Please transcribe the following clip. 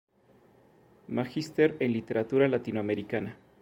Magister en Literatura Latinoamericana.